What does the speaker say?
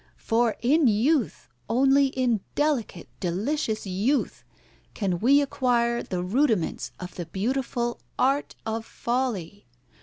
For in youth, only in delicate, delicious youth, can we acquire the rudiments of the beautiful art of folly.